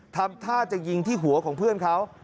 ทำท่าจะยิงที่หัวของเพื่อนเขา